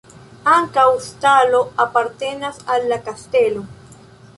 Ankaŭ stalo apartenas al la kastelo.